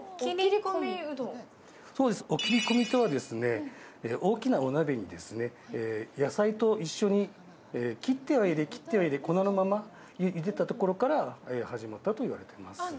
おっきりこみとは、大きなお鍋に野菜と一緒に切っては入れ、切っては入れ粉のままゆでたところから始まったといわれています。